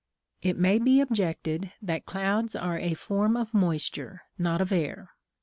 It may be objected that clouds are a form of moisture, not of air.